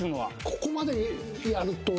ここまでやると。